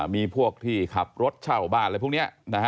มีพวกที่ขับรถเช่าบ้านอะไรพวกนี้